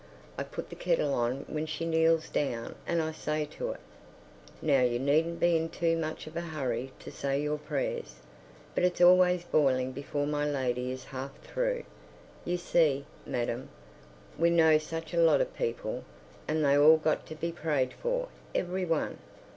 I put the kettle on when she kneels down and I say to it, "Now you needn't be in too much of a hurry to say your prayers." But it's always boiling before my lady is half through. You see, madam, we know such a lot of people, and they've all got to be prayed for—every one.